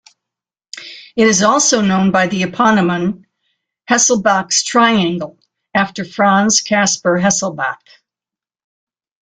It is also known by the eponym Hesselbach's triangle, after Franz Kaspar Hesselbach.